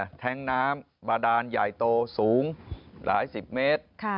แท้งน้ำบาดานใหญ่โตสูงหลายสิบเมตร